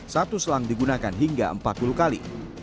satu selang digunakan hingga empat puluh kali